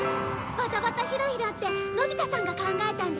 バタバタヒラヒラってのび太さんが考えたんでしょ？